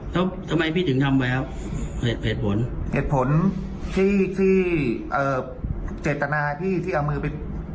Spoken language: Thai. แล้วทำไมพี่ถึงทำไว้ครับเหตุผลเหตุผลที่ที่เอ่อเจตนาพี่ที่เอามือไป